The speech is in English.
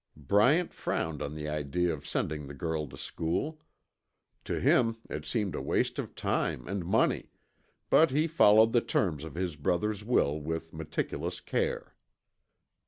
Bryant frowned on the idea of sending the girl to school. To him it seemed a waste of time and money, but he followed the terms of his brother's will with meticulous care.